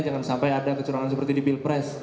jangan sampai ada kecurangan seperti di pilpres